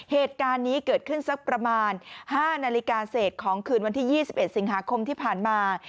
เหตุการณ์นี้เกิดขึ้นสักประมาณ๕นาฬิกาเศษของคืนวันที่๒๑สิงหาคมที่ผ่านมา